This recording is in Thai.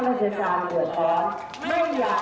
เราไม่เข้าไปในสถานที่ที่เขาห้ามเลย